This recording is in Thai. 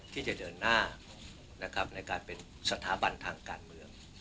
ที่จะเดินหน้านะครับในการเป็นสถาบันทางการเมือง